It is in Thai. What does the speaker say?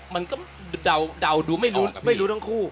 มันก็เดาดูไม่รู้ทั้งคู่